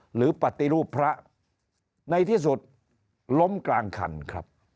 หรือปฏิรูปพระในที่สุดล้มกลางคันครับ